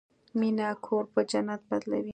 مینه کور په جنت بدلوي.